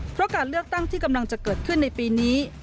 เพราะการเลือกตั้งที่กำลังจะเกิดขึ้นในปีนี้